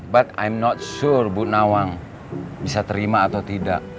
but im not sur bu nawang bisa terima atau tidak